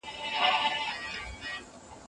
بې ځایه سوي د کار کولو مساوي حق نه لري.